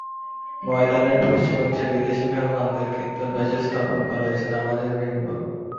ময়দানের পশ্চিম অংশে বিদেশি মেহমানদের খিত্তার পাশে স্থাপন করা হয়েছে নামাজের মিম্বর।